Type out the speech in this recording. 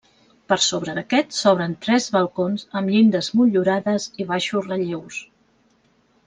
Per sobre d'aquest s'obren tres balcons amb llindes motllurades i baixos relleus.